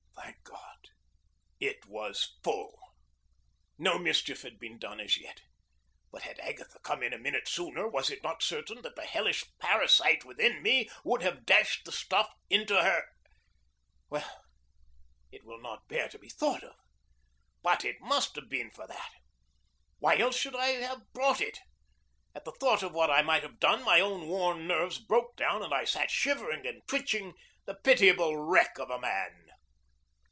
Thank God, it was full! No mischief had been done as yet. But had Agatha come in a minute sooner, was it not certain that the hellish parasite within me would have dashed the stuff into her Ah, it will not bear to be thought of! But it must have been for that. Why else should I have brought it? At the thought of what I might have done my worn nerves broke down, and I sat shivering and twitching, the pitiable wreck of a man.